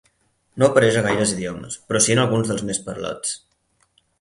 No apareix a gaires idiomes, però sí en alguns dels més parlats.